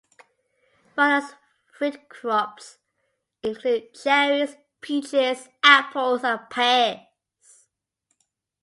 Vineland's fruit crops include cherries, peaches, apples and pears.